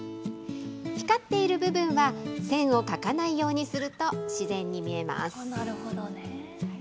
光っている部分は、線を描かないようにすると、自然に見えます。